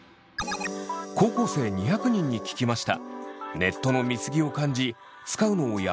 高校生２００人に聞きました。